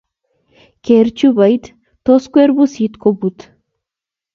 Ker chupoit, tos kwer pusit koput.